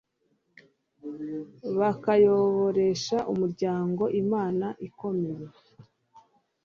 bakayoboresha umuryango inama zikomeye